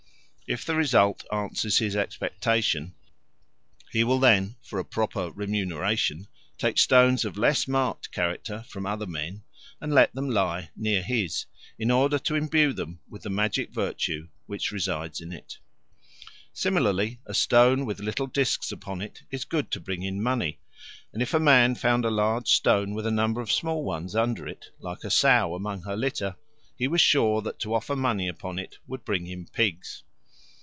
If the result answers his expectation, he will then, for a proper remuneration, take stones of less marked character from other men and let them lie near his, in order to imbue them with the magic virtue which resides in it. Similarly, a stone with little discs upon it is good to bring in money; and if a man found a large stone with a number of small ones under it, like a sow among her litter, he was sure that to offer money upon it would bring him pigs.